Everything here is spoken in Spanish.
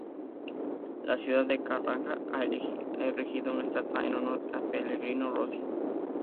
La ciudad de Carrara ha erigido una estatua en honor de Pellegrino Rossi.